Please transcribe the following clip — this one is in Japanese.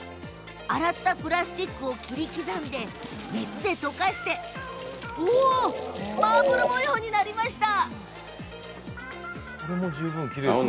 洗ったプラスチックを切り刻んでそれを熱で溶かしてマーブル模様になりました。